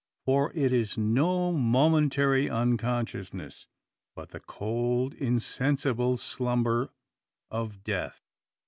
For it is no momentary unconsciousness, but the cold insensible slumber of Death.